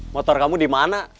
motor kamu dimana